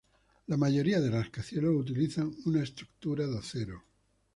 La mayoría de rascacielos utilizan una estructura de acero.